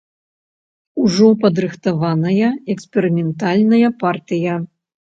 Ужо падрыхтаваная эксперыментальная партыя.